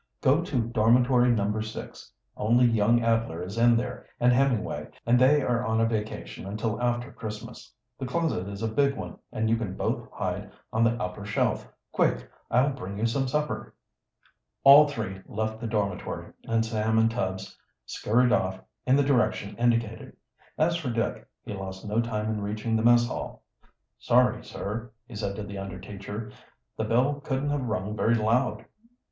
"Go to Dormitory No. 6. Only young Adler is in there, and Hemmingway, and they are on a vacation until after Christmas. The closet is a big one, and you can both hide on the upper shelf. Quick! I'll bring you some supper." All three left the dormitory, and Sam and Tubbs scurried off in the direction indicated. As for Dick, he lost no time in reaching the mess hall. "Sorry, sir," he said to the under teacher. "The bell couldn't have rung very loud."